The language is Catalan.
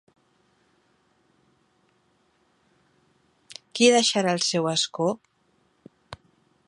Qui deixarà el seu escó?